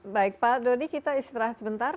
baik pak dodi kita istirahat sebentar